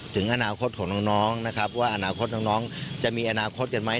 ถึงอนาคตของน้องนะครับว่าอนาคตน้องจะมีอนาคตกันไหม